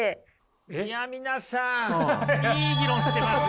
いや皆さんいい議論してますね。